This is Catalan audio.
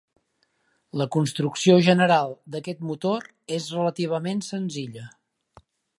La construcció general d'aquest motor és relativament senzilla.